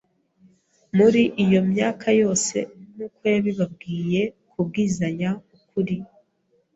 Muri iyo myaka yose, nk’uko yabibabwiye kubwizanya ukuri